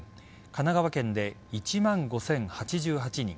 神奈川県で１万５０８８人